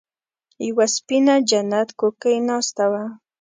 يوه سپينه جنت کوکۍ ناسته وه.